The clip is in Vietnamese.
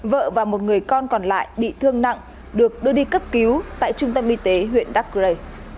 vợ và một người con còn lại bị thương nặng được đưa đi cấp cứu tại trung tâm y tế huyện đắk rầy